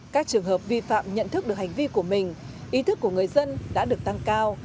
các trường hợp vi phạm nhận thức được hành vi của mình ý thức của người dân đã được tăng cao